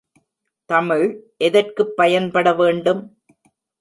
தமிழ் எதற்குப் பயன்பட வேண்டும்?